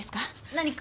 何か？